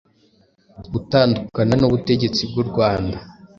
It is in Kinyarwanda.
Gutandukana n'ubutegetsi bw'u Rwanda: